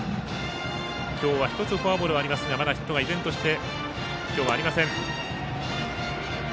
今日は１つフォアボールありますがまだ依然としてヒットは今日はありません。